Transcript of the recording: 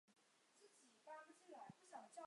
在中共十六大上当选中纪委委员。